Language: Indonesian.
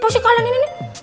apa sih kalahin ini